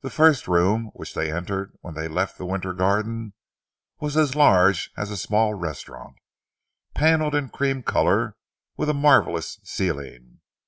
The first room which they entered when they left the winter garden, was as large as a small restaurant, panelled in cream colour, with a marvellous ceiling.